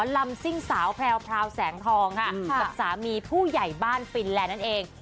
ซิ่งสาวแพรวแสงทองค่ะกับสามีผู้ใหญ่บ้านฟินแลนด์นั่นเอง